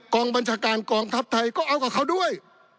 กองบัญชาการกองทัพไทยก็เอากับเขาด้วย